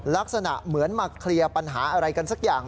ลักษณะเหมือนมาเคลียร์ปัญหาอะไรกันสักอย่าง